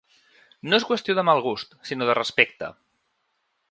No és qüestió de mal gust, sinó de respecte.